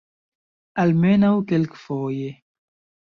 Almenaŭ kelkfoje.